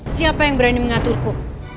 siapa yang berani mengaturku